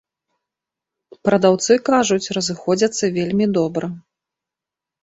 Прадаўцы кажуць, разыходзяцца вельмі добра.